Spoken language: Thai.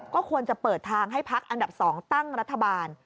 ก็ควรจะเปิดทางให้พักอันดับ๒ตั้งรัฐบาล